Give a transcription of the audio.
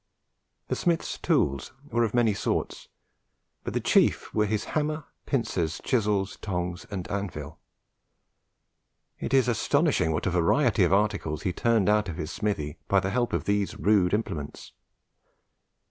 The smith's tools were of many sorts; but the chief were his hammer, pincers, chisel, tongs, and anvil. It is astonishing what a variety of articles he turned out of his smithy by the help of these rude implements.